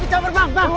jangan pergi cabar bang